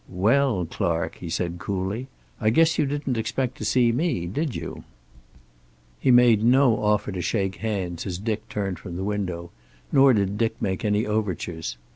"Well, Clark," he said, coolly. "I guess you didn't expect to see me, did you?" He made no offer to shake hands as Dick turned from the window, nor did Dick make any overtures.